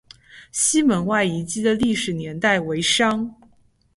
西门外遗址的历史年代为商。